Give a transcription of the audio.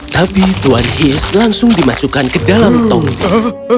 tapi tuan hiss langsung dimasukkan ke dalam tonggak